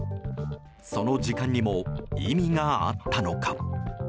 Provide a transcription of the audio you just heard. その時間にも意味があったのか。